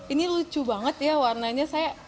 ini lucu banget ya warnanya saya